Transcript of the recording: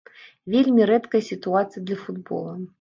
Вельмі рэдкая сітуацыя для футбола.